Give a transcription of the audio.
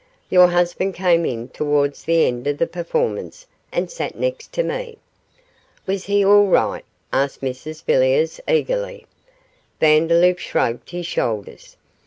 Your husband came in towards the end of the performance and sat next to me.' 'Was he all right?' asked Mrs Villiers, eagerly. Vandeloup shrugged his shoulders.